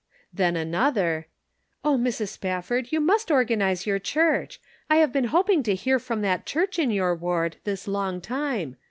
Then another :" Oh, Mrs. Spafford, you must organize your church ; I have been hoping to hear from that church in your ward this long time.